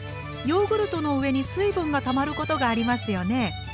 ヨーグルトの上に水分がたまることがありますよね？